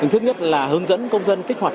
thứ nhất là hướng dẫn công dân kích hoạt